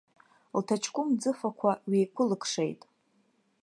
Лҭаҷкәым ӡыфақәа ҩеиқәылкшеит.